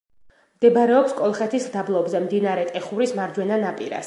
მდებარეობს კოლხეთის დაბლობზე, მდინარე ტეხურის მარჯვენა ნაპირას.